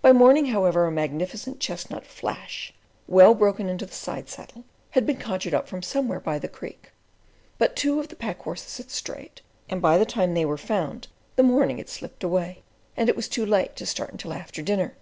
By morning, however, a magnificent chestnut "Flash," well broken into the side saddle, had been conjured up from somewhere by the Creek. But two of the pack horses had strayed, and by the time they were found the morning had slipped away, and it was too late to start until after dinner.